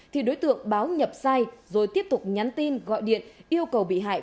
thì đối tượng báo nhập sai rồi tiếp tục nhắn tin gọi điện yêu cầu bị hại